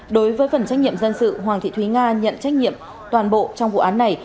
đối với phần trách nhiệm dân sự hoàng thị thúy nga nhận trách nhiệm toàn bộ trong vụ án này